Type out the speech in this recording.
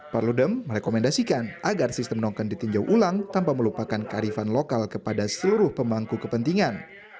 perludem merekomendasikan agar sistem noken ditinjau ulang tanpa melupakan kearifan lokal kepada seluruh pemangku kepentingan